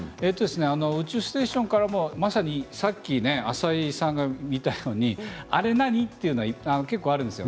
宇宙ステーションからもまさにさっき浅井さんが見たようにあれ何？というのは結構あるんですよ。